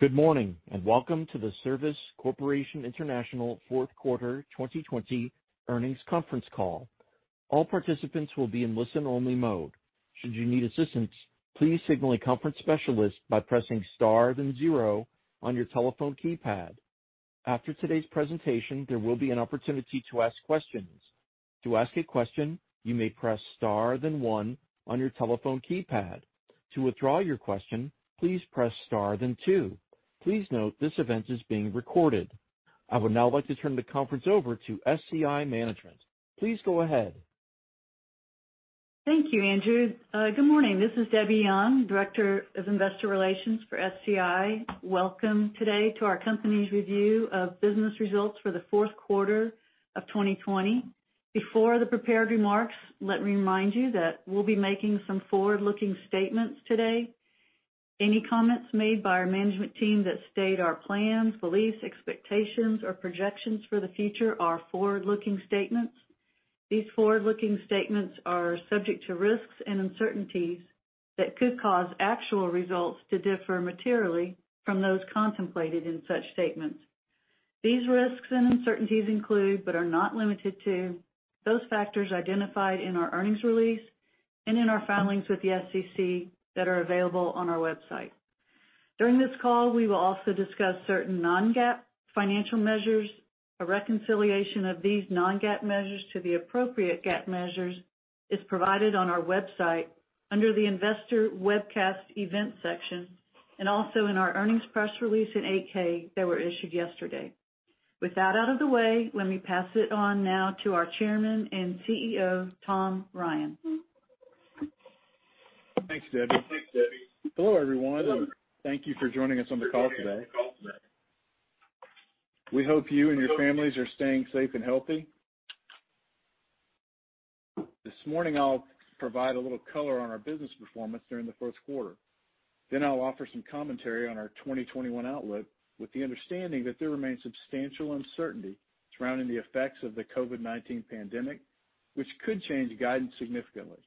Good morning, and welcome to the Service Corporation International fourth 2020 earnings conference call. All participants will be in listen-only mode. After today's presentation, there will be an opportunity to ask questions. Please note this event is being recorded. I would now like to turn the conference over to SCI management. Please go ahead. Thank you, Andrew. Good morning. This is Debbie Young, Director of Investor Relations for SCI. Welcome today to our company's review of business results for the Q4 of 2020. Before the prepared remarks, let me remind you that we'll be making some forward-looking statements today. Any comments made by our management team that state our plans, beliefs, expectations, or projections for the future are forward-looking statements. These forward-looking statements are subject to risks and uncertainties that could cause actual results to differ materially from those contemplated in such statements. These risks and uncertainties include, but are not limited to, those factors identified in our earnings release and in our filings with the SEC that are available on our website. During this call, we will also discuss certain non-GAAP financial measures. A reconciliation of these non-GAAP measures to the appropriate GAAP measures is provided on our website under the investor webcast events section, and also in our earnings press release and 8-K that were issued yesterday. With that out of the way, let me pass it on now to our Chairman and CEO, Tom Ryan. Thanks, Debbie. Hello, everyone. Thank you for joining us on the call today. We hope you and your families are staying safe and healthy. This morning I'll provide a little color on our business performance during the Q4. I'll offer some commentary on our 2021 outlook with the understanding that there remains substantial uncertainty surrounding the effects of the COVID-19 pandemic, which could change guidance significantly.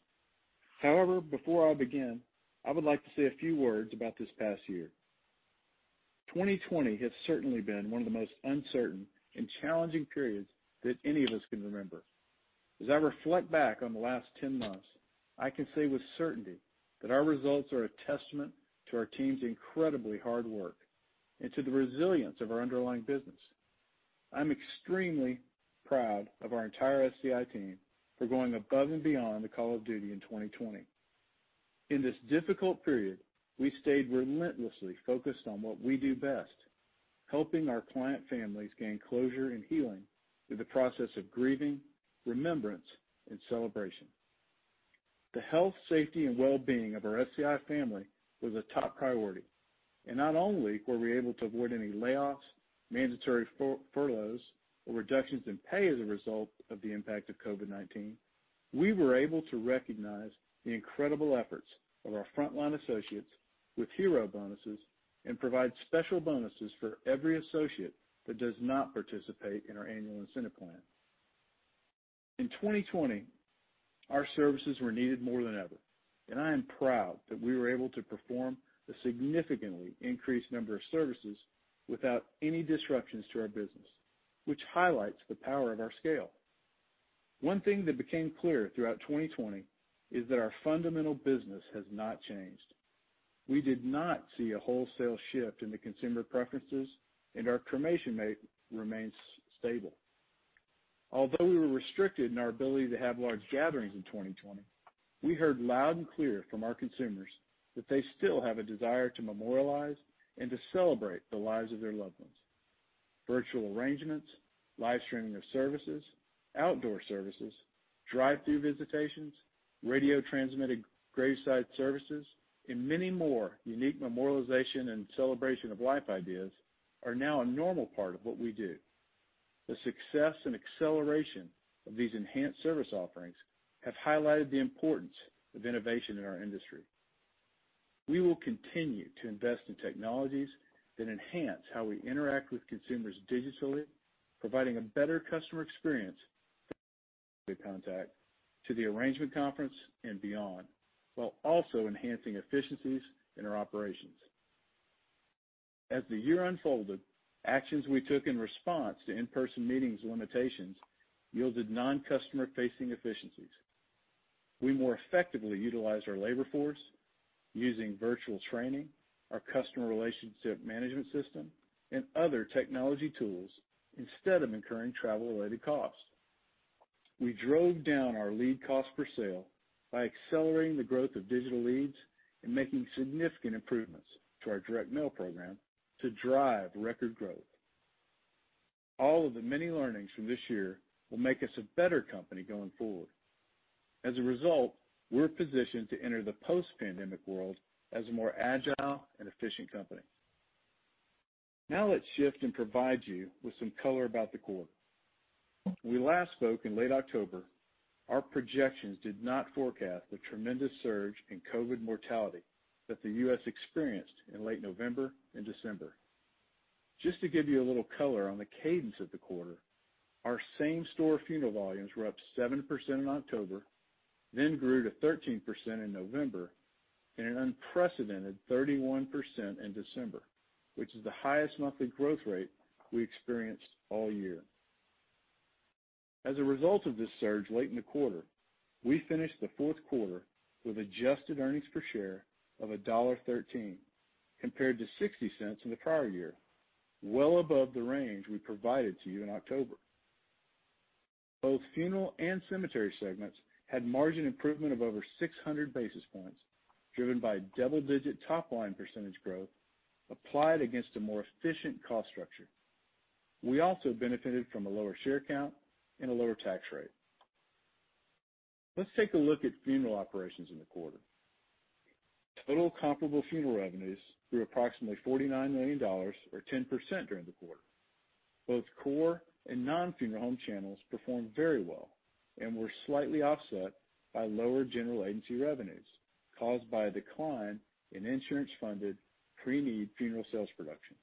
Before I begin, I would like to say a few words about this past. 2020 has certainly been one of the most uncertain and challenging periods that any of us can remember. As I reflect back on the last 10 months, I can say with certainty that our results are a testament to our team's incredibly hard work and to the resilience of our underlying business. I'm extremely proud of our entire SCI team for going above and beyond the call of duty in 2020. In this difficult period, we stayed relentlessly focused on what we do best, helping our client families gain closure and healing through the process of grieving, remembrance, and celebration. The health, safety, and wellbeing of our SCI family was a top priority. Not only were we able to avoid any layoffs, mandatory furloughs, or reductions in pay as a result of the impact of COVID-19, we were able to recognize the incredible efforts of our frontline associates with hero bonuses and provide special bonuses for every associate that does not participate in our annual incentive plan. In 2020, our services were needed more than ever, and I am proud that we were able to perform a significantly increased number of services without any disruptions to our business, which highlights the power of our scale. One thing that became clear throughout 2020 is that our fundamental business has not changed. We did not see a wholesale shift in the consumer preferences, and our cremation rate remains stable. Although we were restricted in our ability to have large gatherings in 2020, we heard loud and clear from our consumers that they still have a desire to memorialize and to celebrate the lives of their loved ones. Virtual arrangements, live streaming of services, outdoor services, drive-through visitations, radio-transmitted graveside services, and many more unique memorialization and celebration of life ideas are now a normal part of what we do. The success and acceleration of these enhanced service offerings have highlighted the importance of innovation in our industry. We will continue to invest in technologies that enhance how we interact with consumers digitally, providing a better customer experience with contact to the arrangement conference and beyond, while also enhancing efficiencies in our operations. As the year unfolded, actions we took in response to in-person meetings limitations yielded non-customer-facing efficiencies. We more effectively utilized our labor force using virtual training, our customer relationship management system, and other technology tools instead of incurring travel-related costs. We drove down our lead cost per sale by accelerating the growth of digital leads and making significant improvements to our direct mail program to drive record growth. All of the many learnings from this year will make us a better company going forward. As a result, we're positioned to enter the post-pandemic world as a more agile and efficient company. Let's shift and provide you with some color about the quarter. When we last spoke in late October, our projections did not forecast the tremendous surge in COVID mortality that the U.S. experienced in late November and December. Just to give you a little color on the cadence of the quarter, our same-store funeral volumes were up 7% in October, then grew to 13% in November, and an unprecedented 31% in December, which is the highest monthly growth rate we experienced all year. As a result of this surge late in the quarter, we finished the Q4 with adjusted earnings per share of $1.13, compared to $0.60 in the prior year, well above the range we provided to you in October. Both funeral and cemetery segments had margin improvement of over 600 basis points, driven by double-digit top-line percentage growth applied against a more efficient cost structure. We also benefited from a lower share count and a lower tax rate. Let's take a look at funeral operations in the quarter. Total comparable funeral revenues grew approximately $49 million, or 10% during the quarter. Both core and non-funeral home channels performed very well and were slightly offset by lower general agency revenues caused by a decline in insurance-funded preneed funeral sales production.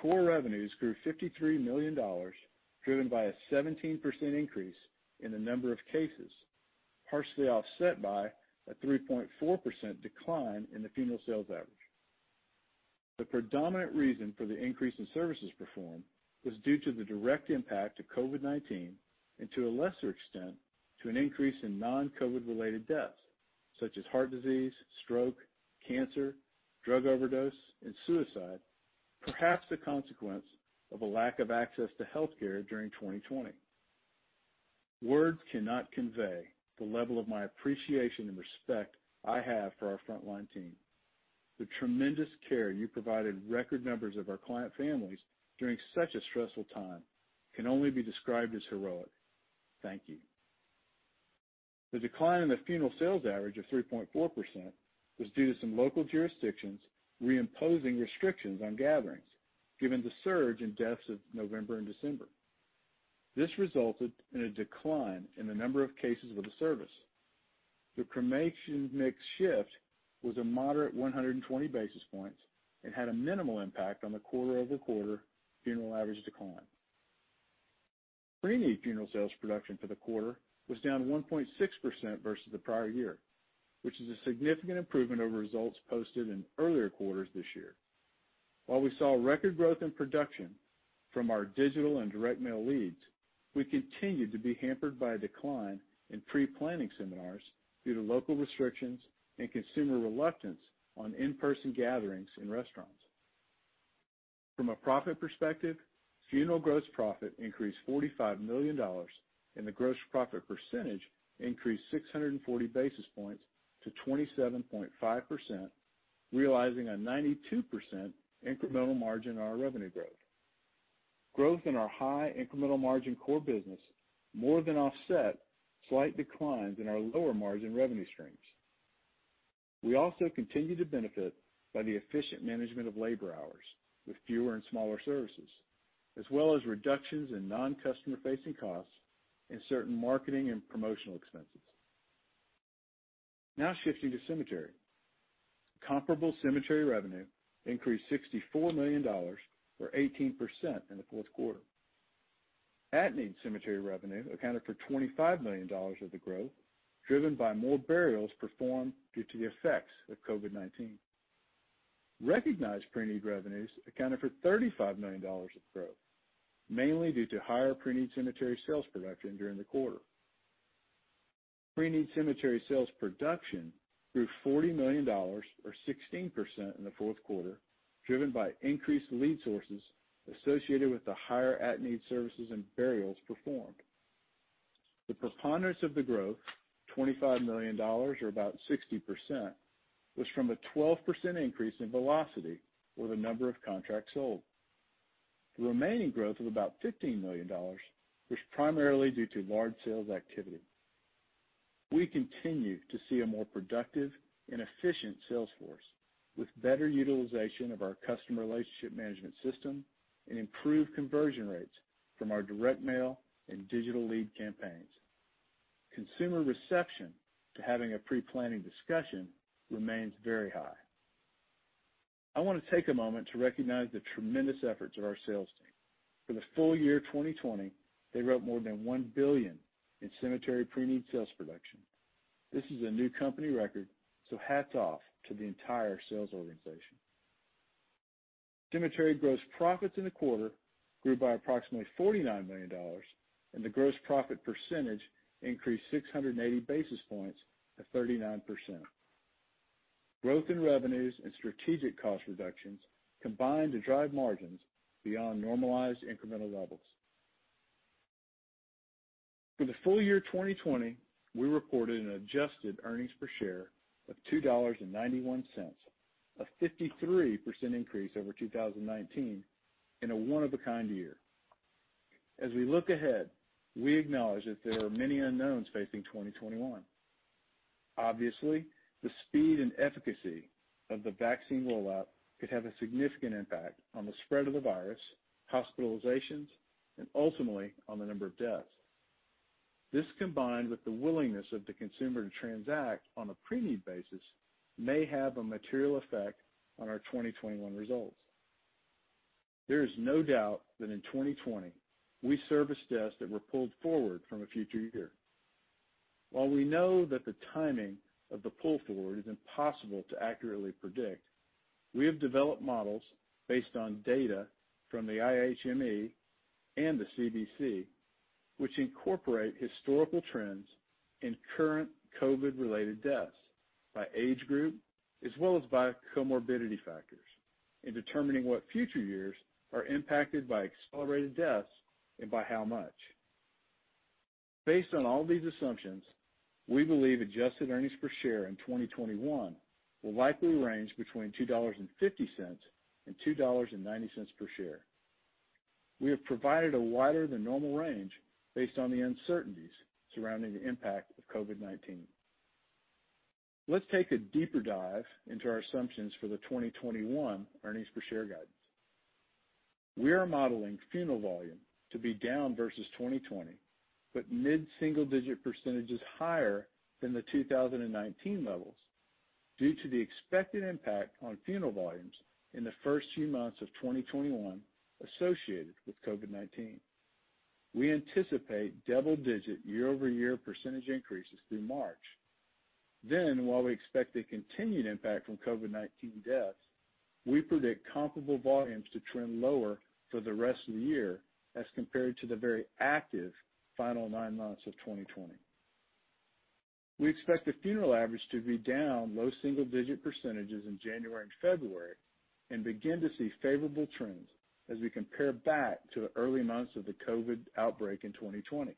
Core revenues grew $53 million, driven by a 17% increase in the number of cases, partially offset by a 3.4% decline in the funeral sales average. The predominant reason for the increase in services performed was due to the direct impact of COVID-19, and to a lesser extent, to an increase in non-COVID-related deaths, such as heart disease, stroke, cancer, drug overdose, and suicide, perhaps the consequence of a lack of access to healthcare during 2020. Words cannot convey the level of my appreciation and respect I have for our frontline team. The tremendous care you provided record numbers of our client families during such a stressful time can only be described as heroic. Thank you. The decline in the funeral sales average of 3.4% was due to some local jurisdictions reimposing restrictions on gatherings given the surge in deaths of November and December. This resulted in a decline in the number of cases with a service. The cremation mix shift was a moderate 120 basis points and had a minimal impact on the quarter-over-quarter funeral average decline. Pre-need funeral sales production for the quarter was down 1.6% versus the prior year, which is a significant improvement over results posted in earlier quarters this year. While we saw record growth in production from our digital and direct mail leads, we continued to be hampered by a decline in pre-planning seminars due to local restrictions and consumer reluctance on in-person gatherings in restaurants. From a profit perspective, funeral gross profit increased $45 million, and the gross profit percentage increased 640 basis points to 27.5%, realizing a 92% incremental margin on our revenue growth. Growth in our high incremental margin core business more than offset slight declines in our lower-margin revenue streams. We also continue to benefit by the efficient management of labor hours with fewer and smaller services, as well as reductions in non-customer-facing costs and certain marketing and promotional expenses. Now shifting to cemetery. Comparable cemetery revenue increased $64 million, or 18%, in Q4. At-need cemetery revenue accounted for $25 million of the growth, driven by more burials performed due to the effects of COVID-19. Recognized pre-need revenues accounted for $35 million of growth, mainly due to higher pre-need cemetery sales production during the quarter. Pre-need cemetery sales production grew $40 million, or 16%, in Q4, driven by increased lead sources associated with the higher at-need services and burials performed. The preponderance of the growth, $25 million, or about 60%, was from a 12% increase in velocity or the number of contracts sold. The remaining growth of about $15 million was primarily due to large sales activity. We continue to see a more productive and efficient sales force with better utilization of our customer relationship management system and improved conversion rates from our direct mail and digital lead campaigns. Consumer reception to having a pre-planning discussion remains very high. I want to take a moment to recognize the tremendous efforts of our sales team. For the full year 2020, they wrote more than $1 billion in cemetery pre-need sales production. This is a new company record, so hats off to the entire sales organization. Cemetery gross profits in the quarter grew by approximately $49 million, and the gross profit percentage increased 680 basis points to 39%. Growth in revenues and strategic cost reductions combined to drive margins beyond normalized incremental levels. For the full year 2020, we reported an adjusted earnings per share of $2.91, a 53% increase over 2019 in a one-of-a-kind year. As we look ahead, we acknowledge that there are many unknowns facing 2021. Obviously, the speed and efficacy of the vaccine rollout could have a significant impact on the spread of the virus, hospitalizations, and ultimately, on the number of deaths. This combined with the willingness of the consumer to transact on a pre-need basis may have a material effect on our 2021 results. There is no doubt that in 2020, we serviced deaths that were pulled forward from a future year. While we know that the timing of the pull forward is impossible to accurately predict, we have developed models based on data from the IHME and the CDC, which incorporate historical trends in current COVID-related deaths by age group, as well as by comorbidity factors, in determining what future years are impacted by accelerated deaths and by how much. Based on all these assumptions, we believe adjusted earnings per share in 2021 will likely range between $2.50 and $2.90 per share. We have provided a wider than normal range based on the uncertainties surrounding the impact of COVID-19. Let's take a deeper dive into our assumptions for the 2021 earnings-per-share guidance. We are modeling funeral volume to be down versus 2020, but mid-single digit percentages higher than the 2019 levels due to the expected impact on funeral volumes in the first few months of 2021 associated with COVID-19. We anticipate double-digit year-over-year % increases through March. While we expect a continued impact from COVID-19 deaths, we predict comparable volumes to trend lower for the rest of the year as compared to the very active final nine months of 2020. We expect the funeral average to be down low single-digit % in January and February and begin to see favorable trends as we compare back to the early months of the COVID outbreak in 2020.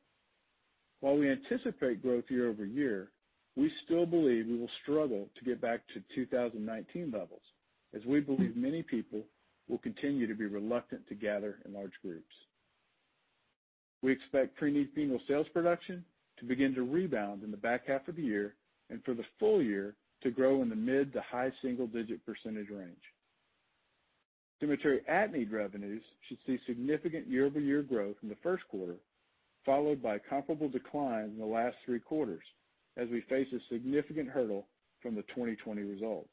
While we anticipate growth year-over-year, we still believe we will struggle to get back to 2019 levels, as we believe many people will continue to be reluctant to gather in large groups. We expect pre-need funeral sales production to begin to rebound in the back half of the year, and for the full year to grow in the mid to high single-digit % range. Cemetery at-need revenues should see significant year-over-year growth in the Q1, followed by a comparable decline in the last three quarters as we face a significant hurdle from the 2020 results.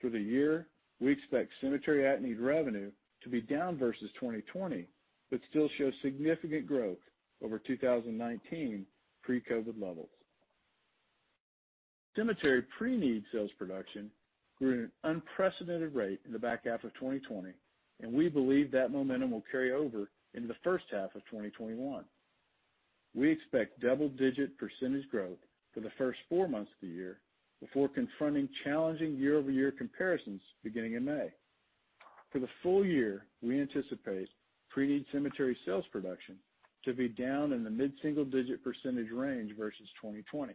Through the year, we expect cemetery at-need revenue to be down versus 2020, but still show significant growth over 2019 pre-COVID levels. Cemetery pre-need sales production grew at an unprecedented rate in the back half of 2020, and we believe that momentum will carry over into the first half of 2021. We expect double-digit % growth for the first four months of the year before confronting challenging year-over-year comparisons beginning in May. For the full year, we anticipate pre-need cemetery sales production to be down in the mid-single digit % range versus 2020,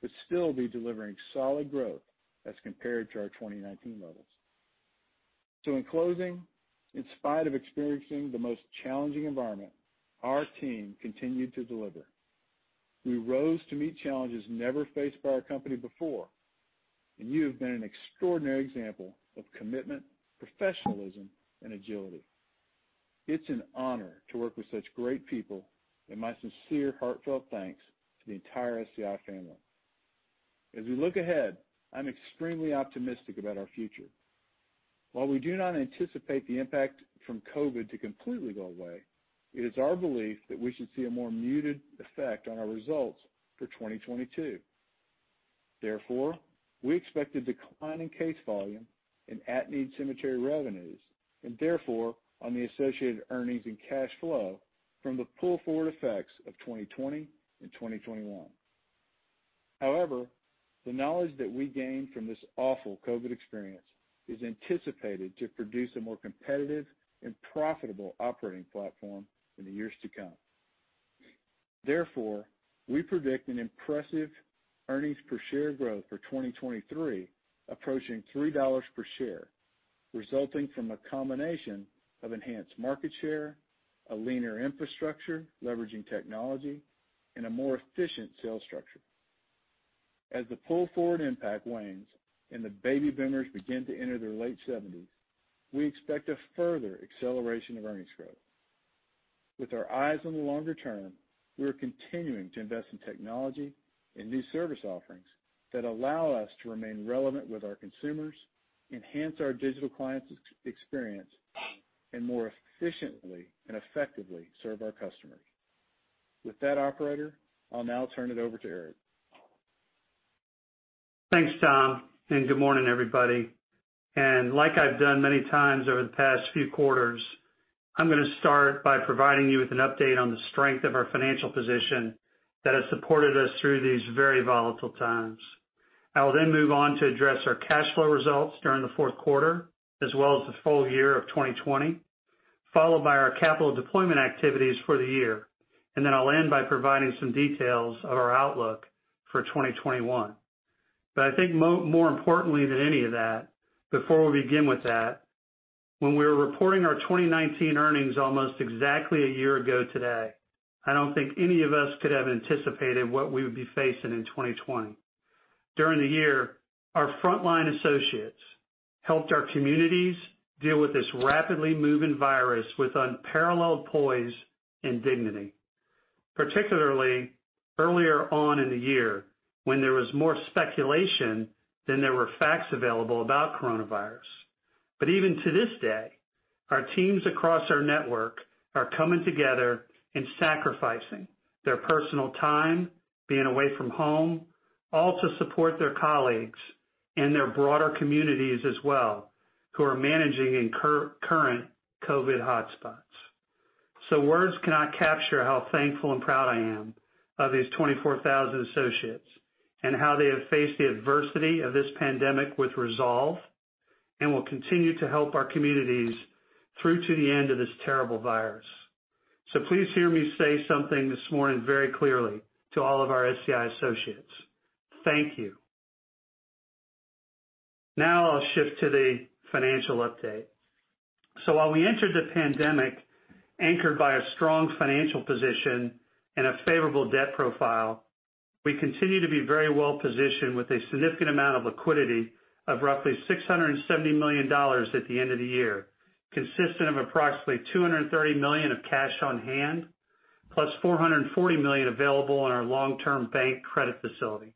but still be delivering solid growth as compared to our 2019 levels. In closing, in spite of experiencing the most challenging environment, our team continued to deliver. We rose to meet challenges never faced by our company before, and you have been an extraordinary example of commitment, professionalism, and agility. It's an honor to work with such great people, and my sincere, heartfelt thanks to the entire SCI family. As we look ahead, I'm extremely optimistic about our future. While we do not anticipate the impact from COVID to completely go away, it is our belief that we should see a more muted effect on our results for 2022. We expect a decline in case volume and at-need cemetery revenues, and therefore, on the associated earnings and cash flow from the pull forward effects of 2020 and 2021. However, the knowledge that we gained from this awful COVID experience is anticipated to produce a more competitive and profitable operating platform in the years to come. Therefore, we predict an impressive earnings-per-share growth for 2023 approaching $3 per share, resulting from a combination of enhanced market share, a leaner infrastructure leveraging technology, and a more efficient sales structure. As the pull-forward impact wanes and the baby boomers begin to enter their late 70s, we expect a further acceleration of earnings growth. With our eyes on the longer term, we are continuing to invest in technology and new service offerings that allow us to remain relevant with our consumers, enhance our digital client experience, and more efficiently and effectively serve our customers. With that, operator, I'll now turn it over to Eric. Thanks, Tom, and good morning, everybody. Like I've done many times over the past few quarters, I'm going to start by providing you with an update on the strength of our financial position that has supported us through these very volatile times. I will then move on to address our cash flow results during the Q4 as well as the full year of 2020, followed by our capital deployment activities for the year. I'll end by providing some details of our outlook for 2021. I think more importantly than any of that, before we begin with that, when we were reporting our 2019 earnings almost exactly a year ago today, I don't think any of us could have anticipated what we would be facing in 2020. During the year, our frontline associates helped our communities deal with this rapidly moving virus with unparalleled poise and dignity, particularly earlier on in the year when there was more speculation than there were facts available about coronavirus. Even to this day, our teams across our network are coming together and sacrificing their personal time, being away from home, all to support their colleagues and their broader communities as well, who are managing in current COVID hotspots. Words cannot capture how thankful and proud I am of these 24,000 associates, and how they have faced the adversity of this pandemic with resolve, and will continue to help our communities through to the end of this terrible virus. Please hear me say something this morning very clearly to all of our SCI associates. Thank you. Now I'll shift to the financial update. While we entered the pandemic anchored by a strong financial position and a favorable debt profile, we continue to be very well-positioned with a significant amount of liquidity of roughly $670 million at the end of the year, consistent of approximately $230 million of cash on hand, plus $440 million available on our long-term bank credit facility.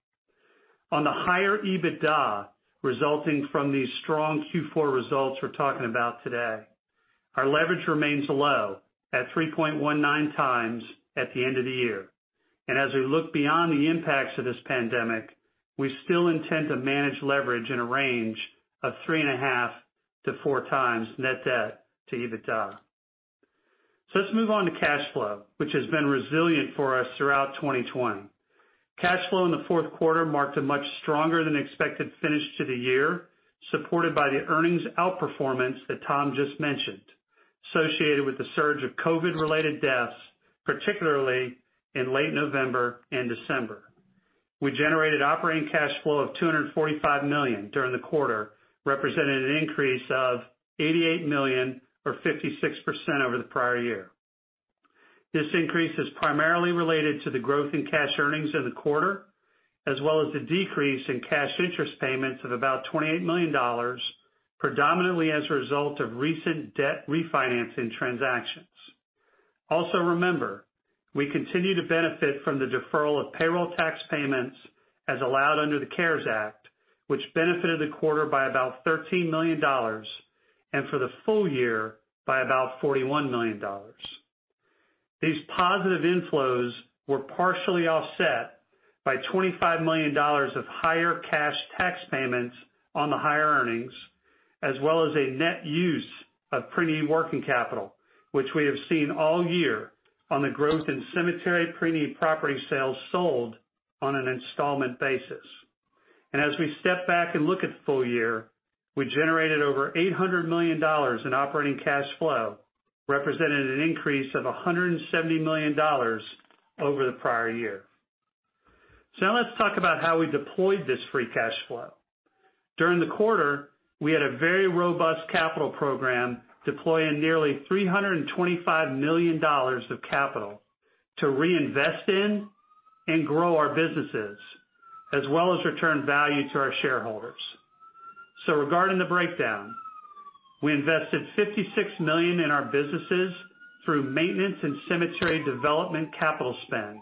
On the higher EBITDA resulting from these strong Q4 results we're talking about today, our leverage remains low at 3.19 times at the end of the year. As we look beyond the impacts of this pandemic, we still intend to manage leverage in a range of 3.5 to 4 times net debt to EBITDA. Let's move on to cash flow, which has been resilient for us throughout 2020. Cash flow in the Q4 marked a much stronger than expected finish to the year, supported by the earnings outperformance that Tom just mentioned, associated with the surge of COVID-related deaths, particularly in late November and December. We generated operating cash flow of $245 million during the quarter, representing an increase of $88 million or 56% over the prior year. This increase is primarily related to the growth in cash earnings in the quarter, as well as the decrease in cash interest payments of about $28 million predominantly as a result of recent debt refinancing transactions. Also remember, we continue to benefit from the deferral of payroll tax payments as allowed under the CARES Act, which benefited the quarter by about $13 million, and for the full year by about $41 million. These positive inflows were partially offset by $25 million of higher cash tax payments on the higher earnings, as well as a net use of preneed working capital, which we have seen all year on the growth in cemetery preneed property sales sold on an installment basis. as we step back and look at the full year, we generated over $800 million in operating cash flow, representing an increase of $170 million over the prior year. Now let's talk about how we deployed this free cash flow. During the quarter, we had a very robust capital program deploying nearly $325 million of capital to reinvest in and grow our businesses, as well as return value to our shareholders. Regarding the breakdown, we invested 56 million in our businesses through maintenance and cemetery development capital spend,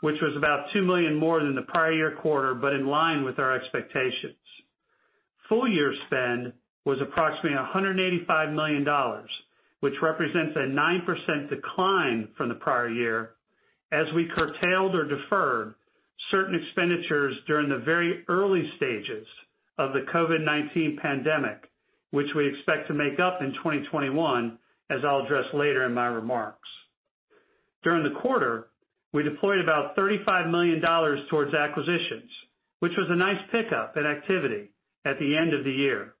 which was about 2 million more than the prior year quarter, but in line with our expectations. Full year spend was approximately $185 million, which represents a 9% decline from the prior year as we curtailed or deferred certain expenditures during the very early stages of the COVID-19 pandemic, which we expect to make up in 2021 as I'll address later in my remarks. During the quarter, we deployed about $35 million towards acquisitions, which was a nice pickup in activity at the end of the year.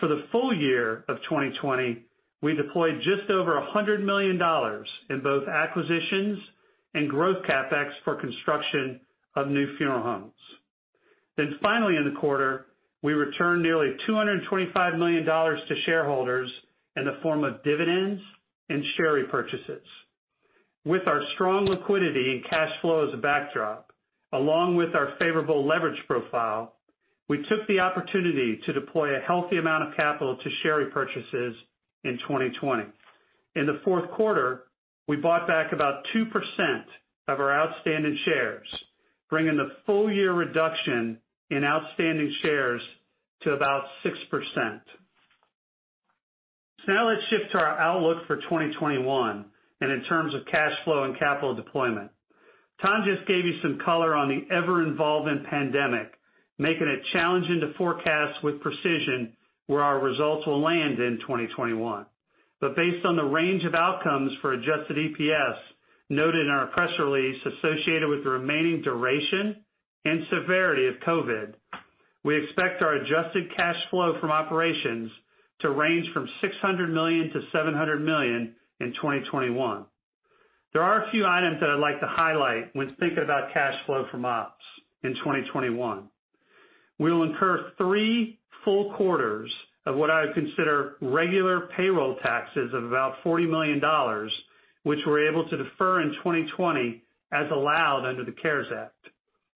For the full year of 2020, we deployed just over $100 million in both acquisitions and growth CapEx for construction of new funeral homes. Finally in the quarter, we returned nearly $225 million to shareholders in the form of dividends and share repurchases. With our strong liquidity and cash flow as a backdrop, along with our favorable leverage profile, we took the opportunity to deploy a healthy amount of capital to share repurchases in 2020. In the Q4, we bought back about 2% of our outstanding shares, bringing the full year reduction in outstanding shares to about 6%. Now let's shift to our outlook for 2021 and in terms of cash flow and capital deployment. Tom just gave you some color on the ever-evolving pandemic, making it challenging to forecast with precision where our results will land in 2021. Based on the range of outcomes for adjusted EPS noted in our press release associated with the remaining duration and severity of COVID, we expect our adjusted cash flow from operations to range from $600 million-$700 million in 2021. There are a few items that I'd like to highlight when thinking about cash flow from ops in 2021. We will incur three full quarters of what I would consider regular payroll taxes of about $40 million, which we were able to defer in 2020 as allowed under the CARES Act.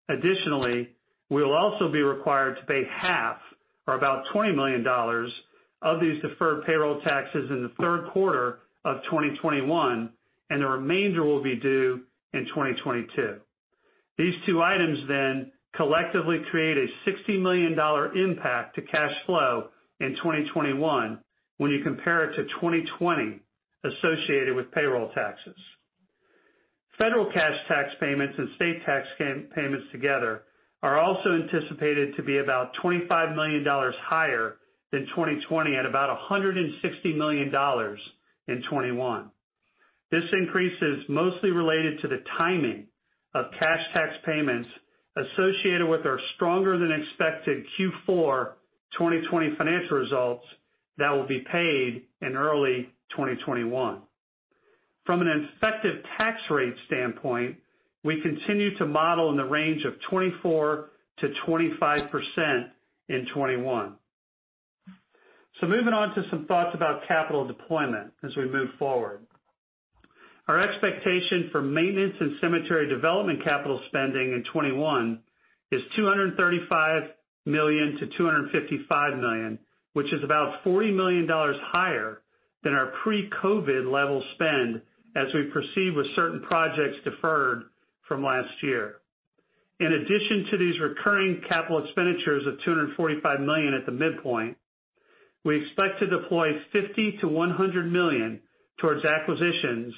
Additionally, we will also be required to pay half or about $20 million of these deferred payroll taxes in the Q4 of 2021, and the remainder will be due in 2022. These two items then collectively create a $60 million impact to cash flow in 2021 when you compare it to 2020 associated with payroll taxes. Federal cash tax payments and state tax payments together are also anticipated to be about $25 million higher than 2020 at about $160 million in 2021. This increase is mostly related to the timing of cash tax payments associated with our stronger than expected Q4 2020 financial results that will be paid in early 2021. From an effective tax rate standpoint, we continue to model in the range of 24%-25% in 2021. Moving on to some thoughts about capital deployment as we move forward. Our expectation for maintenance and cemetery development capital spending in 2021 is $235 million-$255 million, which is about $40 million higher than our pre-COVID level spend as we proceed with certain projects deferred from last year. In addition to these recurring capital expenditures of $245 million at the midpoint, we expect to deploy $50 to $100 million towards acquisitions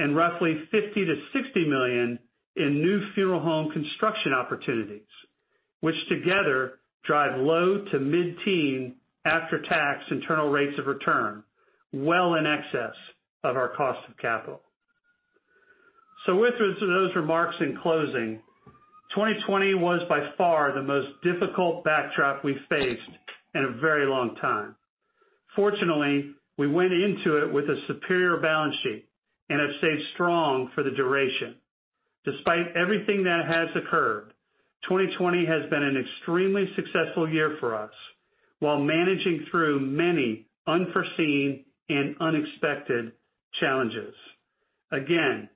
and roughly $50 to $60 million in new funeral home construction opportunities, which together drive low to mid-teen after-tax internal rates of return, well in excess of our cost of capital. With those remarks in closing, 2020 was by far the most difficult backdrop we've faced in a very long time. Fortunately, we went into it with a superior balance sheet and have stayed strong for the duration. Despite everything that has occurred, 2020 has been an extremely successful year for us while managing through many unforeseen and unexpected challenges. Again,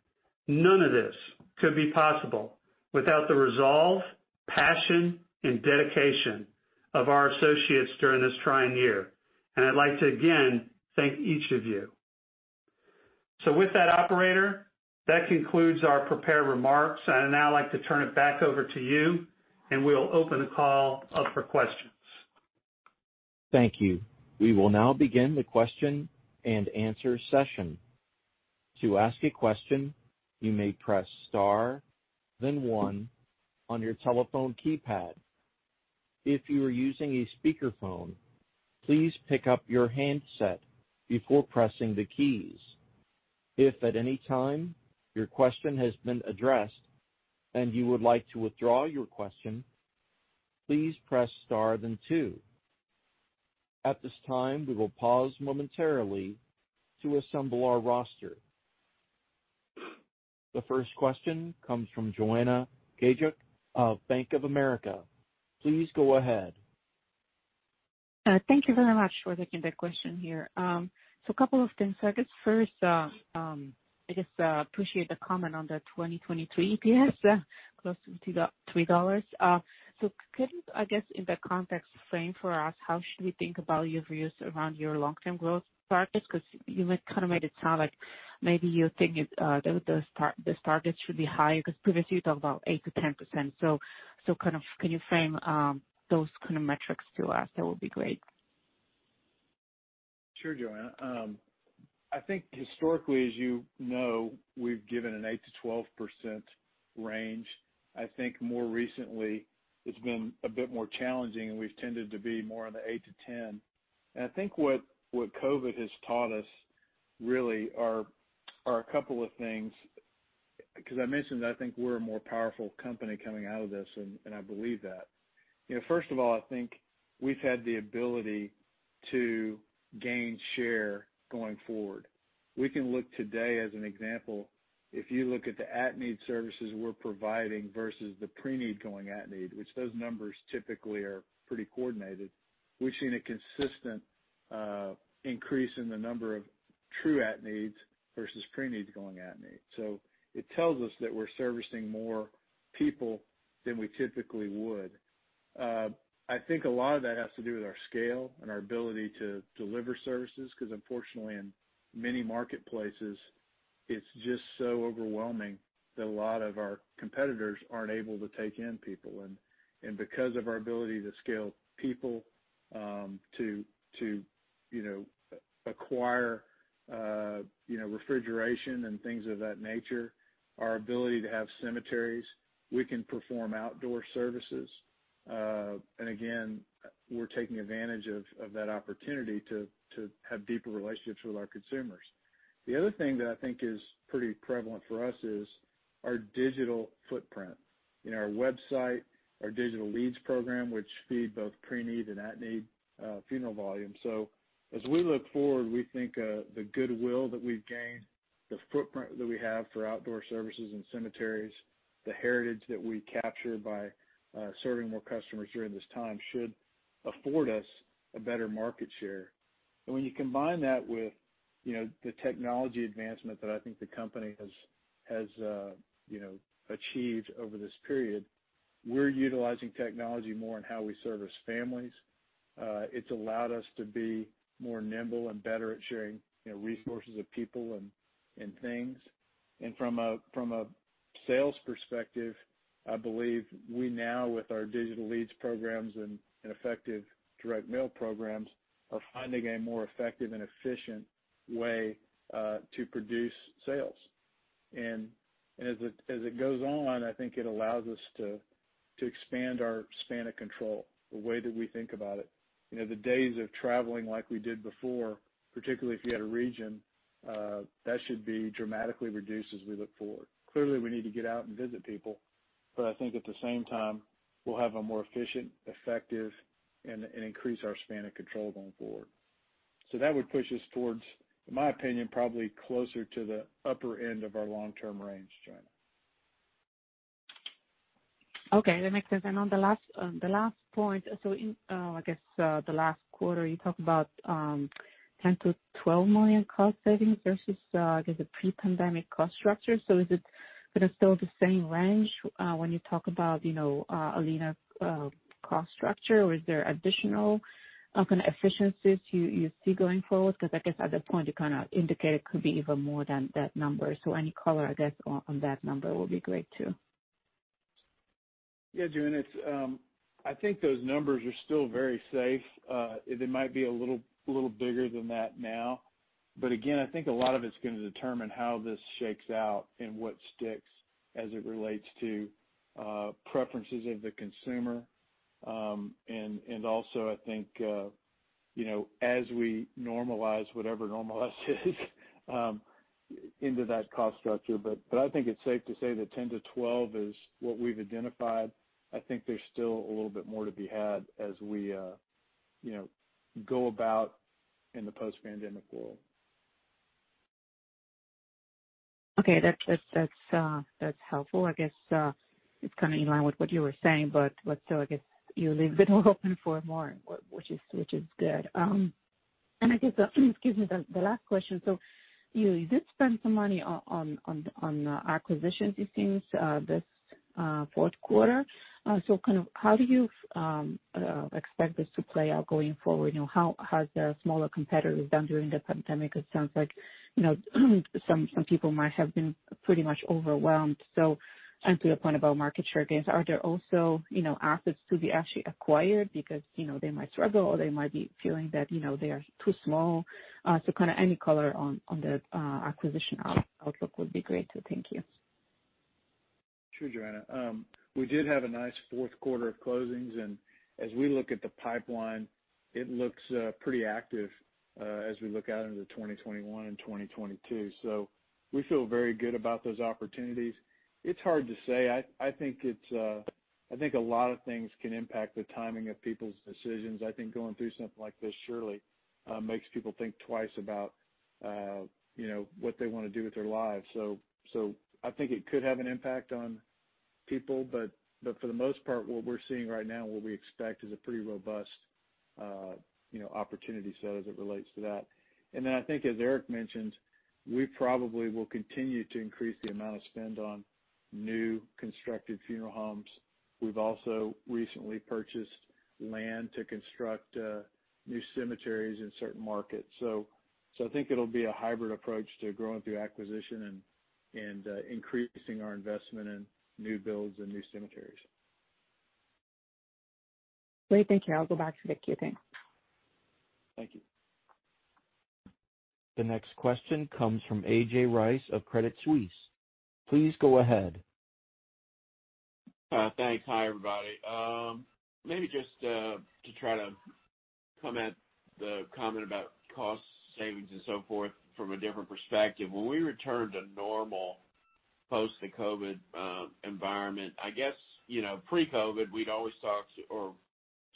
none of this could be possible without the resolve, passion, and dedication of our associates during this trying year. I'd like to, again, thank each of you. With that, operator, that concludes our prepared remarks. I'd now like to turn it back over to you, and we'll open the call up for questions. Thank you. We will now begin the question and answer session. To ask a question, you may press star then one on your telephone keypad. If you are using a speakerphone, please pick up your handset before pressing the keys. If at any time your question has been addressed and you would like to withdraw your question, please press star then two. At this time, we will pause momentarily to assemble our roster. The first question comes from Joanna Gajuk of Bank of America. Please go ahead. Thank you very much for taking the question here. A couple of things. I guess first, I guess appreciate the comment on the 2023 EPS close to $3. Could, I guess, in the context frame for us, how should we think about your views around your long-term growth targets? Because you kind of made it sound like maybe you think this target should be higher because previously you talked about 8%-10%. Can you frame those kind of metrics to us? That would be great. Sure, Joanna. I think historically, as you know, we've given an 8% to 12% range. I think more recently it's been a bit more challenging, and we've tended to be more in the 8% to 10%. I think what COVID has taught us really are a couple of things. Because I mentioned I think we're a more powerful company coming out of this, and I believe that. First of all, I think we've had the ability to gain share going forward. We can look today as an example. If you look at the at-need services we're providing versus the pre-need going at-need, which those numbers typically are pretty coordinated. We've seen a consistent increase in the number of true at-needs versus pre-needs going at-need. It tells us that we're servicing more people than we typically would. I think a lot of that has to do with our scale and our ability to deliver services, because unfortunately in many marketplaces, it's just so overwhelming that a lot of our competitors aren't able to take in people. because of our ability to scale people to acquire refrigeration and things of that nature, our ability to have cemeteries, we can perform outdoor services. again, we're taking advantage of that opportunity to have deeper relationships with our consumers. The other thing that I think is pretty prevalent for us is our digital footprint. Our website, our digital leads program, which feed both pre-need and at-need funeral volume. as we look forward, we think the goodwill that we've gained The footprint that we have for outdoor services and cemeteries, the heritage that we capture by serving more customers during this time should afford us a better market share. when you combine that with the technology advancement that I think the company has achieved over this period, we're utilizing technology more in how we service families. It's allowed us to be more nimble and better at sharing resources of people and things. from a sales perspective, I believe we now, with our digital leads programs and effective direct mail programs, are finding a more effective and efficient way to produce sales. as it goes on, I think it allows us to expand our span of control, the way that we think about it. The days of traveling like we did before, particularly if you had a region, that should be dramatically reduced as we look forward. Clearly, we need to get out and visit people, but I think at the same time, we'll have a more efficient, effective, and increase our span of control going forward. That would push us towards, in my opinion, probably closer to the upper end of our long-term range, Joanna. Okay, that makes sense. On the last point, so in, I guess, the last quarter, you talked about $10-12 million cost savings versus, I guess, a pre-pandemic cost structure. Is it going to still be the same range when you talk about a leaner cost structure, or is there additional kind of efficiencies you see going forward? Because I guess at that point, you kind of indicated it could be even more than that number. Any color, I guess, on that number will be great too. Yeah, Joanna. I think those numbers are still very safe. They might be a little bigger than that now. Again, I think a lot of it's going to determine how this shakes out and what sticks as it relates to preferences of the consumer, and also I think, as we normalize, whatever normalize is into that cost structure. I think it's safe to say that 10 to 12 is what we've identified. I think there's still a little bit more to be had as we go about in the post-pandemic world. Okay. That's helpful. I guess it's kind of in line with what you were saying, but still, I guess you leave it open for more, which is good. I guess, excuse me, the last question. You did spend some money on acquisitions, it seems, this Q4. How do you expect this to play out going forward? How have the smaller competitors done during the pandemic? It sounds like some people might have been pretty much overwhelmed. To the point about market share, I guess, are there also assets to be actually acquired because they might struggle, or they might be feeling that they are too small? Any color on the acquisition outlook would be great, too. Thank you. Sure, Joanna. We did have a nice Q4 of closings, and as we look at the pipeline, it looks pretty active as we look out into 2021 and 2022. We feel very good about those opportunities. It's hard to say. I think a lot of things can impact the timing of people's decisions. I think going through something like this surely makes people think twice about what they want to do with their lives. I think it could have an impact on people, but for the most part, what we're seeing right now, what we expect is a pretty robust opportunity set as it relates to that. I think as Eric mentioned, we probably will continue to increase the amount of spend on new constructed funeral homes. We've also recently purchased land to construct new cemeteries in certain markets. I think it'll be a hybrid approach to growing through acquisition and increasing our investment in new builds and new cemeteries. Great. Thank you. I'll go back to the queue then. Thank you. The next question comes from A.J. Rice of Credit Suisse. Please go ahead. Thanks. Hi, everybody. Maybe just to try to come at the comment about cost savings and so forth from a different perspective. When we return to normal post the COVID environment, I guess, pre-COVID, we'd always talk, or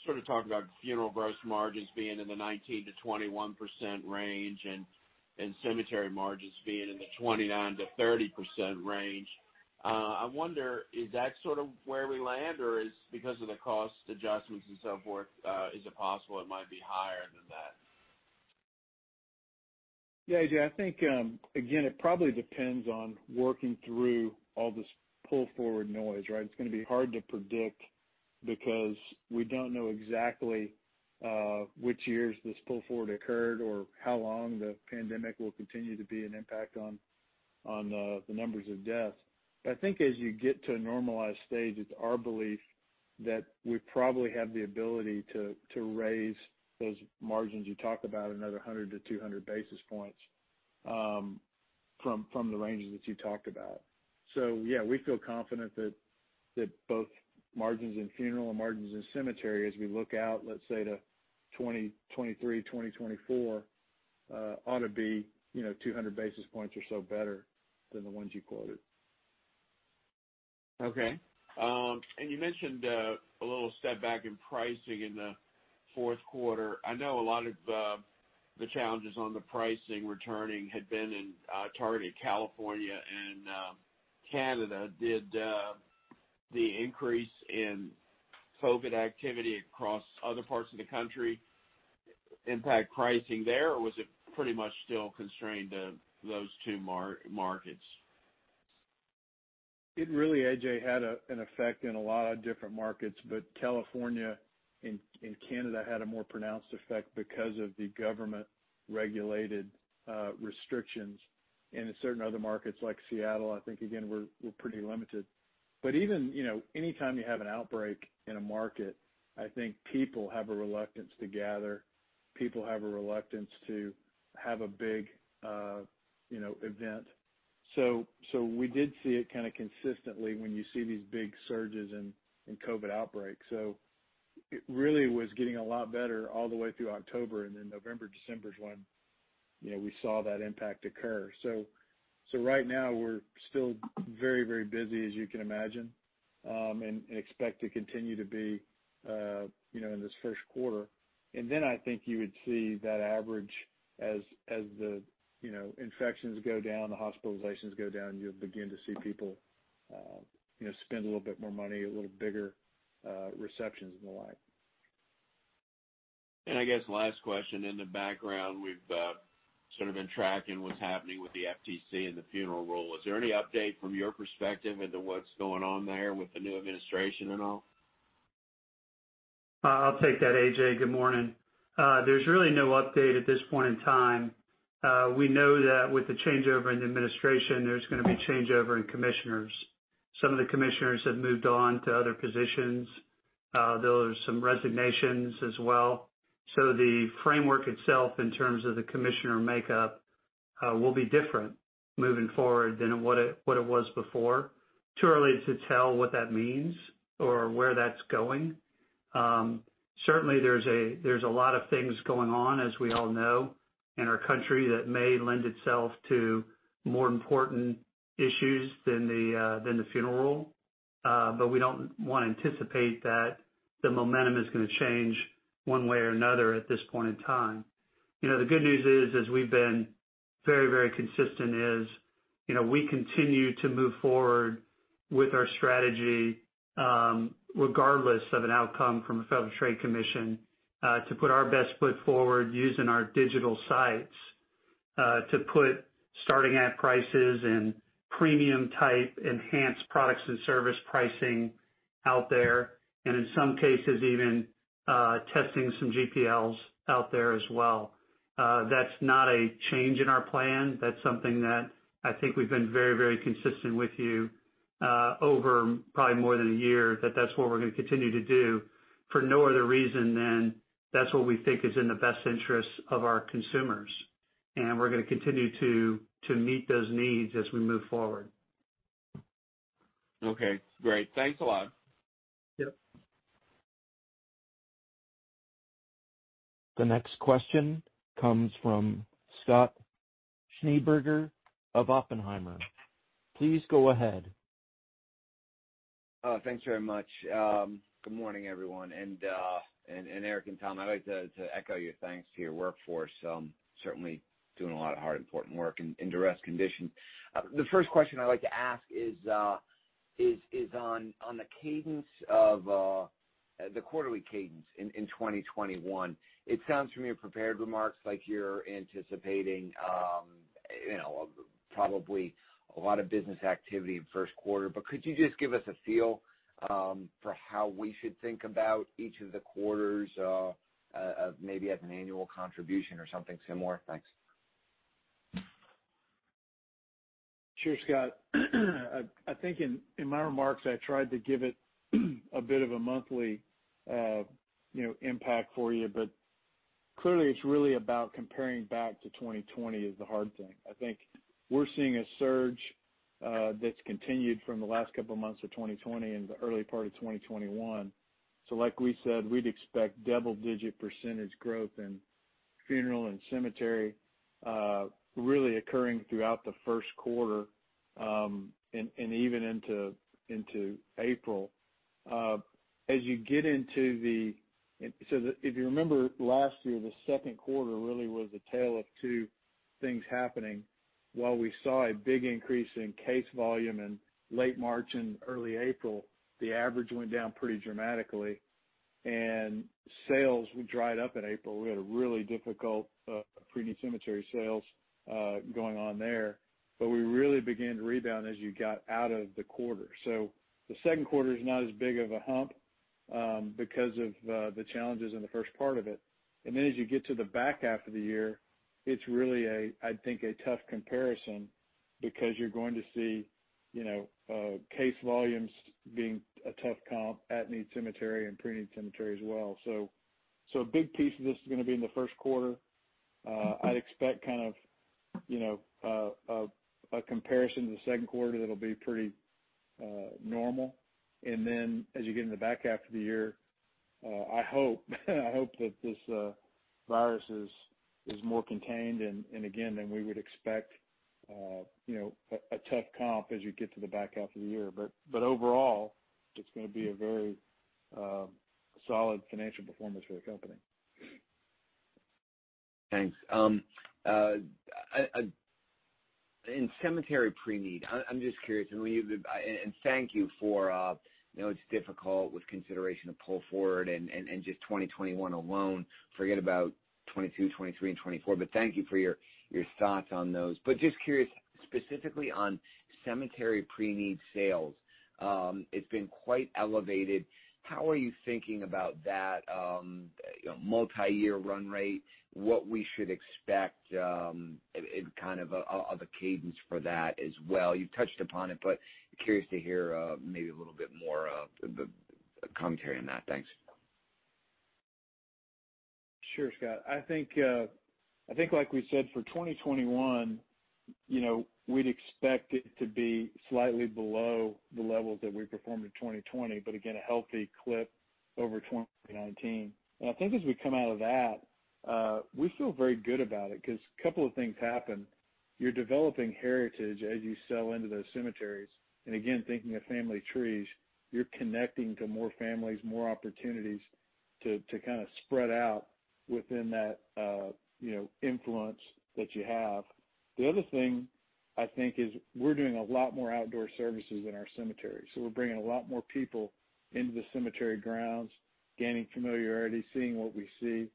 sort of talk about funeral gross margins being in the 19%-21% range and cemetery margins being in the 29%-30% range. I wonder, is that sort of where we land, or because of the cost adjustments and so forth, is it possible it might be higher than that? Yeah, A.J., I think, again, it probably depends on working through all this pull-forward noise, right? It's going to be hard to predict because we don't know exactly which years this pull forward occurred or how long the pandemic will continue to be an impact on the numbers of deaths. I think as you get to a normalized stage, it's our belief that we probably have the ability to raise those margins you talked about another 100 to 200 basis points from the ranges that you talked about. yeah, we feel confident that both margins in funeral and margins in cemetery, as we look out, let's say to 2023, 2024, ought to be 200 basis points or so better than the ones you quoted. Okay. You mentioned a little step back in pricing in the Q4. I know a lot of the challenges on the pricing returning had been targeted California and Canada. Did the increase in COVID activity across other parts of the country impact pricing there, or was it pretty much still constrained to those two markets? It really, A.J., had an effect in a lot of different markets, but California and Canada had a more pronounced effect because of the government-regulated restrictions. In certain other markets like Seattle, I think, again, we're pretty limited. Anytime you have an outbreak in a market, I think people have a reluctance to gather. People have a reluctance to have a big event. We did see it kind of consistently when you see these big surges in COVID outbreaks. Right now, we're still very busy, as you can imagine, and expect to continue to be in this Q1. I think you would see that average as the infections go down, the hospitalizations go down, you'll begin to see people spend a little bit more money, a little bigger receptions and the like. I guess last question, in the background, we've sort of been tracking what's happening with the FTC and the Funeral Rule. Is there any update from your perspective into what's going on there with the new administration and all? I'll take that, A.J. Good morning. There's really no update at this point in time. We know that with the changeover in the administration, there's going to be changeover in commissioners. Some of the commissioners have moved on to other positions. There are some resignations as well. The framework itself, in terms of the commissioner makeup, will be different moving forward than what it was before. Too early to tell what that means or where that's going. Certainly, there's a lot of things going on, as we all know, in our country that may lend itself to more important issues than the Funeral Rule. We don't want to anticipate that the momentum is going to change one way or another at this point in time. The good news is, as we've been very consistent is, we continue to move forward with our strategy, regardless of an outcome from the Federal Trade Commission, to put our best foot forward using our digital sites, to put starting at prices and premium-type enhanced products and service pricing out there, and in some cases, even testing some GPLs out there as well. That's not a change in our plan. That's something that I think we've been very consistent with you over probably more than a year, that that's what we're going to continue to do for no other reason than that's what we think is in the best interest of our consumers. We're going to continue to meet those needs as we move forward. Okay, great. Thanks a lot. Yep. The next question comes from Scott Schneeberger of Oppenheimer. Please go ahead. Thanks very much. Good morning, everyone. Eric and Tom, I'd like to echo your thanks to your workforce, certainly doing a lot of hard, important work in duress conditions. The first question I'd like to ask is on the quarterly cadence in 2021. It sounds from your prepared remarks like you're anticipating probably a lot of business activity in Q1, but could you just give us a feel for how we should think about each of the quarters maybe as an annual contribution or something similar? Thanks. Sure, Scott. I think in my remarks, I tried to give it a bit of a monthly impact for you, but clearly, it's really about comparing back to 2020 is the hard thing. I think we're seeing a surge that's continued from the last couple of months of 2020 into the early part of 2021. Like we said, we'd expect double-digit percentage growth in funeral and cemetery really occurring throughout the Q1, and even into April. If you remember last year, the Q2 really was a tale of two things happening. While we saw a big increase in case volume in late March and early April, the average went down pretty dramatically, and sales dried up in April. We had a really difficult pre-need cemetery sales going on there. We really began to rebound as you got out of the quarter. The Q2 is not as big of a hump because of the challenges in the first part of it. as you get to the back half of the year, it's really, I think, a tough comparison because you're going to see case volumes being a tough comp at need cemetery and pre-need cemetery as well. a big piece of this is going to be in the Q1. I'd expect kind of a comparison to the Q2 that'll be pretty normal. as you get into the back half of the year I hope that this virus is more contained, and again, then we would expect a tough comp as you get to the back half of the year. overall, it's going to be a very solid financial performance for the company. Thanks. In cemetery pre-need, I'm just curious, it's difficult with consideration of pull forward and just 2021 alone, forget about '22, '23, and '24. Thank you for your thoughts on those. Just curious, specifically on cemetery pre-need sales. It's been quite elevated. How are you thinking about that multi-year run rate? What we should expect of a cadence for that as well. You've touched upon it, but curious to hear maybe a little bit more of the commentary on that. Thanks. Sure, Scott. I think, like we said, for 2021, we'd expect it to be slightly below the levels that we performed in 2020, but again, a healthy clip over 2019. I think as we come out of that, we feel very good about it because a couple of things happen. You're developing heritage as you sell into those cemeteries. Again, thinking of family trees, you're connecting to more families, more opportunities to kind of spread out within that influence that you have. The other thing, I think, is we're doing a lot more outdoor services in our cemeteries. We're bringing a lot more people into the cemetery grounds, gaining familiarity, seeing what we see.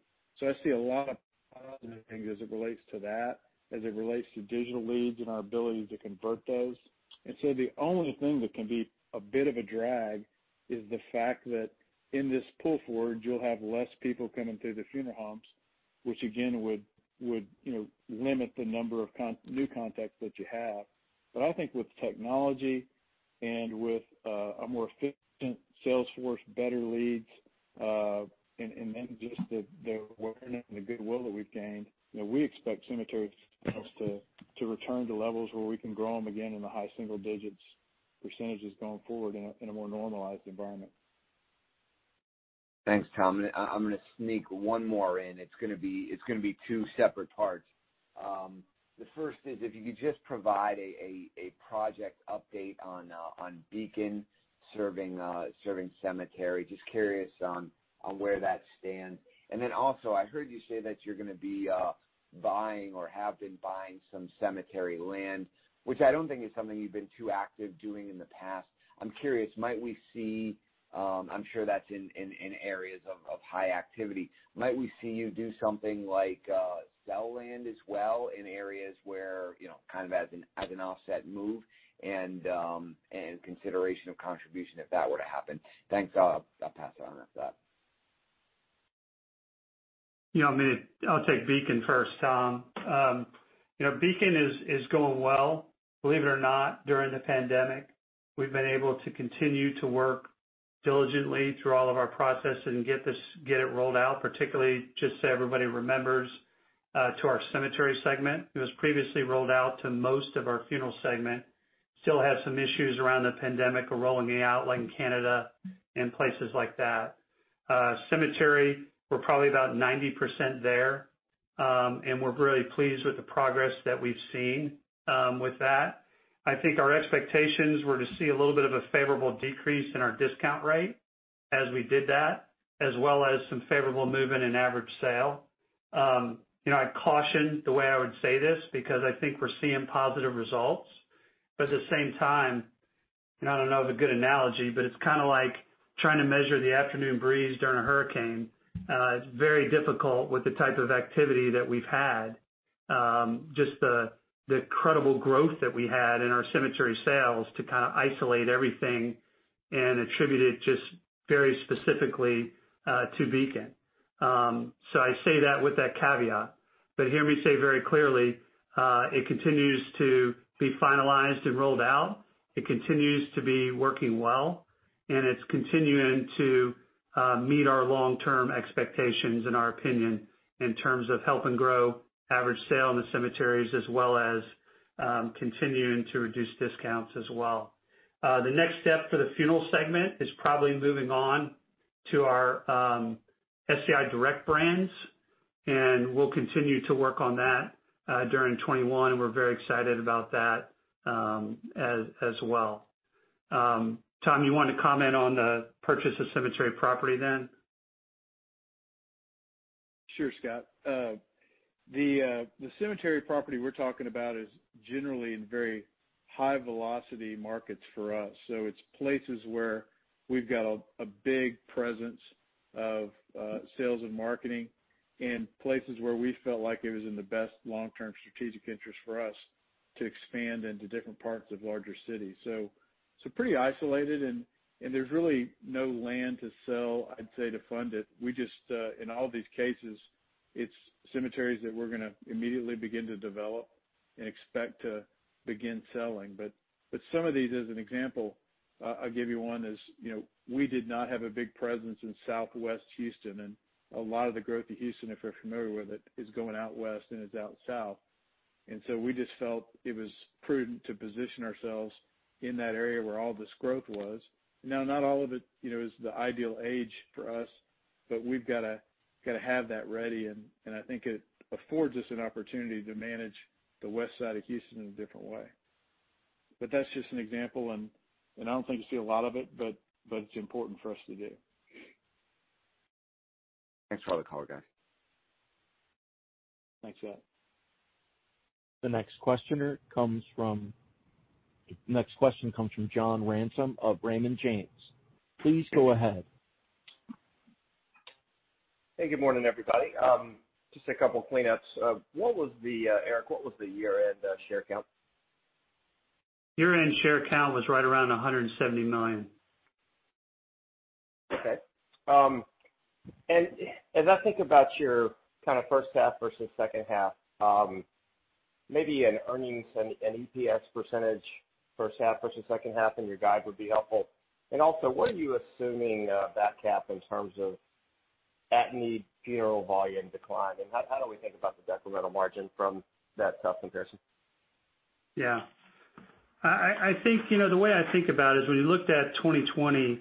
I see a lot of positive things as it relates to that, as it relates to digital leads and our ability to convert those. The only thing that can be a bit of a drag is the fact that in this pull forward, you'll have less people coming through the funeral homes, which again, would limit the number of new contacts that you have. I think with technology and with a more efficient sales force, better leads, and then just the awareness and the goodwill that we've gained, we expect cemeteries to return to levels where we can grow them again in the high single digits percentages going forward in a more normalized environment. Thanks, Tom. I'm going to sneak one more in. It's going to be two separate parts. The first is if you could just provide a project update on Beacon serving cemetery. Just curious on where that stands. I heard you say that you're going to be buying or have been buying some cemetery land, which I don't think is something you've been too active doing in the past. I'm curious. Might we see, I'm sure that's in areas of high activity, might we see you do something like sell land as well in areas where, kind of as an offset move and consideration of contribution if that were to happen? Thanks. I'll pass it on after that. I'll take Beacon first, Tom. Beacon is going well. Believe it or not, during the pandemic, we've been able to continue to work diligently through all of our processes and get it rolled out, particularly, just so everybody remembers, to our cemetery segment. It was previously rolled out to most of our funeral segment. Still have some issues around the pandemic of rolling it out, like in Canada and places like that. Cemetery, we're probably about 90% there, and we're really pleased with the progress that we've seen with that. I think our expectations were to see a little bit of a favorable decrease in our discount rate as we did that, as well as some favorable movement in average sale. I caution the way I would say this because I think we're seeing positive results. at the same time, and I don't know the good analogy, but it's kind of like trying to measure the afternoon breeze during a hurricane. It's very difficult with the type of activity that we've had, just the incredible growth that we had in our cemetery sales to kind of isolate everything and attribute it just very specifically to Beacon. I say that with that caveat. Hear me say very clearly, it continues to be finalized and rolled out. It continues to be working well, and it's continuing to meet our long-term expectations in our opinion, in terms of help and grow average sale in the cemeteries as well as continuing to reduce discounts as well. The next step for the funeral segment is probably moving on to our SCI Direct brands, and we'll continue to work on that during '21, and we're very excited about that as well. Tom, you want to comment on the purchase of cemetery property then? Sure, Scott. The cemetery property we're talking about is generally in very high-velocity markets for us. It's places where we've got a big presence of sales and marketing and places where we felt like it was in the best long-term strategic interest for us to expand into different parts of larger cities. Pretty isolated, and there's really no land to sell, I'd say, to fund it. We just, in all these cases, it's cemeteries that we're going to immediately begin to develop and expect to begin selling. Some of these, as an example, I'll give you one, is we did not have a big presence in Southwest Houston, and a lot of the growth of Houston, if you're familiar with it, is going out west and is out south. We just felt it was prudent to position ourselves in that area where all this growth was. Now, not all of it is the ideal age for us, but we've got to have that ready, and I think it affords us an opportunity to manage the west side of Houston in a different way. That's just an example, and I don't think you see a lot of it, but it's important for us to do. Thanks for all the color, guys. Thanks, Ed. Next question comes from John Ransom of Raymond James. Please go ahead. Hey, good morning, everybody. Just a couple cleanups. Eric, what was the year-end share count? Year-end share count was right around 179. Okay. As I think about your first half versus second half, maybe an earnings, an EPS percentage first half versus second half in your guide would be helpful. Also, what are you assuming, back half, in terms of at-need funeral volume decline, and how do we think about the decremental margin from that tough comparison? Yeah. The way I think about it is when you looked at 2020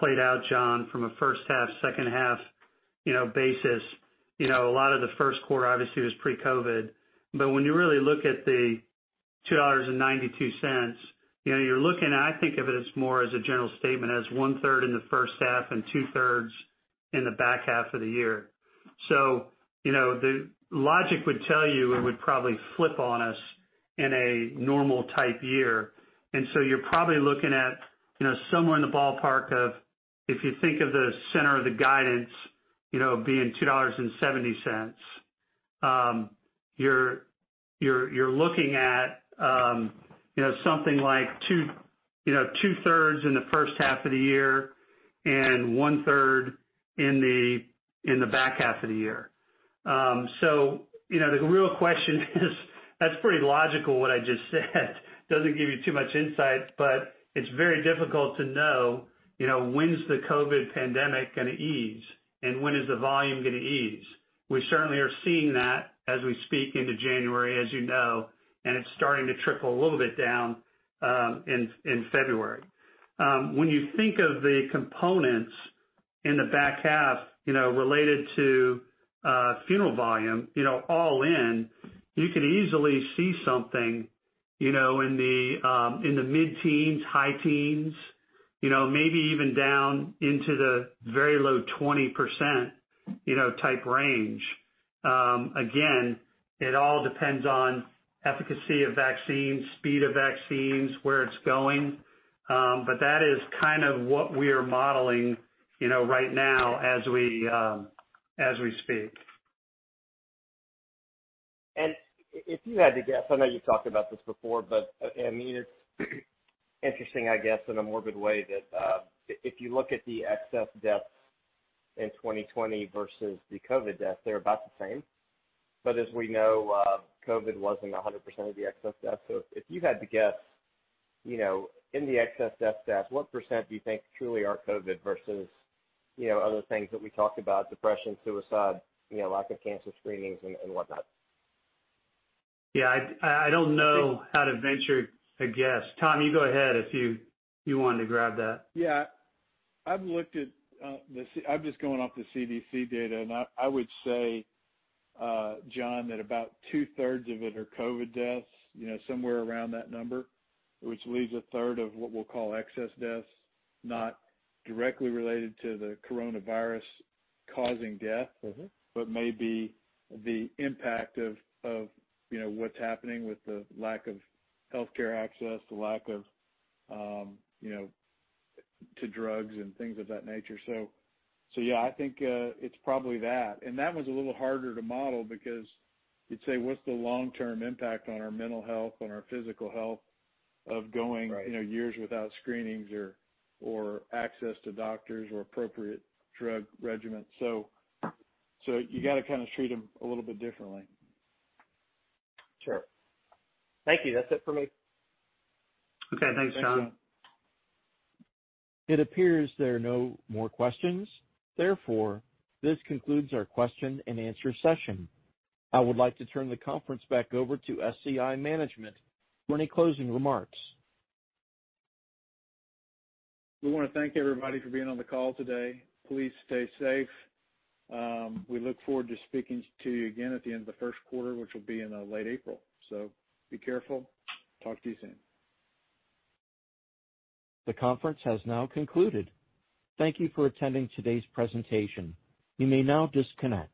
played out, John, from a first half, second half basis. A lot of the Q1, obviously, was pre-COVID. When you really look at the $2.92, you're looking at, I think of it as more as a general statement, as 1/3 in the first half and 2/3 in the back half of the year. The logic would tell you it would probably flip on us in a normal type year. You're probably looking at somewhere in the ballpark of, if you think of the center of the guidance being $2.70, you're looking at something like 2/3 in the first half of the year and 1/3 in the back half of the year. The real question is that's pretty logical what I just said. Doesn't give you too much insight, but it's very difficult to know when's the COVID pandemic going to ease and when is the volume going to ease. We certainly are seeing that as we speak into January, as you know, and it's starting to trickle a little bit down in February. When you think of the components in the back half, related to funeral volume, all in, you could easily see something in the mid-teens, high teens, maybe even down into the very low 20% type range. Again, it all depends on efficacy of vaccines, speed of vaccines, where it's going. That is what we are modeling right now as we speak. If you had to guess, I know you've talked about this before, but it's interesting, I guess, in a morbid way that if you look at the excess deaths in 2020 versus the COVID deaths, they're about the same. As we know, COVID wasn't 100% of the excess deaths. If you had to guess, in the excess death stats, what percent do you think truly are COVID versus other things that we talked about, depression, suicide, lack of cancer screenings and whatnot? Yeah. I don't know how to venture a guess. Tom, you go ahead if you wanted to grab that. Yeah. I'm just going off the CDC data. I would say, John, that about two-thirds of it are COVID deaths, somewhere around that number, which leaves a third of what we'll call excess deaths, not directly related to the coronavirus causing death. May be the impact of what's happening with the lack of healthcare access, the lack of drugs and things of that nature. Yeah, I think, it's probably that. That one's a little harder to model because you'd say, what's the long-term impact on our mental health, on our physical health of going. Right Years without screenings or access to doctors or appropriate drug regimen. You got to kind of treat them a little bit differently. Sure. Thank you. That's it for me. Okay. Thanks, John. It appears there are no more questions. This concludes our question and answer session. I would like to turn the conference back over to SCI management for any closing remarks. We want to thank everybody for being on the call today. Please stay safe. We look forward to speaking to you again at the end of the Q1, which will be in late April. Be careful. Talk to you soon. The conference has now concluded. Thank you for attending today's presentation. You may now disconnect.